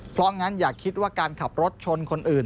เพราะงั้นอย่าคิดว่าการขับรถชนคนอื่น